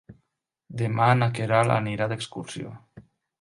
Demà na Queralt anirà d'excursió.